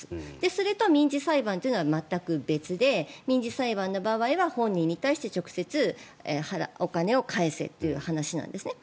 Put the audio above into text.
それと民事裁判というのは全く別で民事裁判の場合は本人に対して直接、お金を返せという話なんですね。